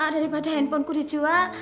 daripada handphone ku dijual